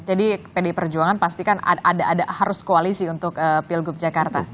jadi pd perjuangan pastikan ada harus koalisi untuk pilgub jakarta